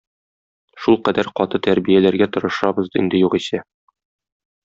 Шулкадәр каты тәрбияләргә тырышабыз инде югыйсә.